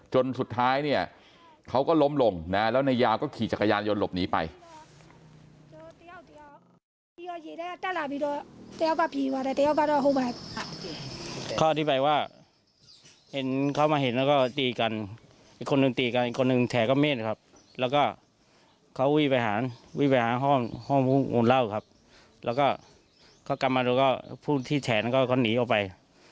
จนสุดท้ายเนี่ยเขาก็ล้มลงนะแล้วนายยาวก็ขี่จักรยานยนต์หลบหนีไป